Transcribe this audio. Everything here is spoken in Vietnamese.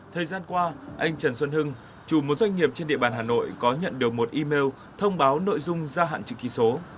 thời gian qua anh trần xuân hưng chủ một doanh nghiệp trên địa bàn hà nội có nhận được một email thông báo nội dung gia hạn chữ ký số